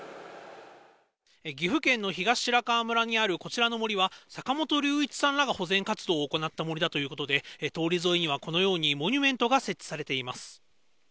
岐阜県の東白川村にあるこちらの森は、坂本龍一さんらが保全活動を行った森だということで、通り沿いにはこのようにモニュメントが設置されています。